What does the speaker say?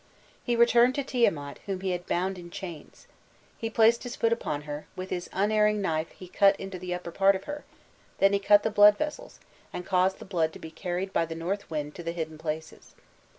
He returned to Tiamat whom he had bound in chains. He placed his foot upon her, with his unerring knife he cut into the upper part of her; then he cut the blood vessels, and caused the blood to be carried by the north wind to the hidden places.